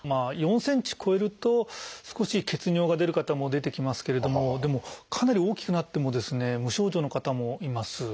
４ｃｍ超えると少し血尿が出る方も出てきますけれどもでもかなり大きくなってもですね無症状の方もいます。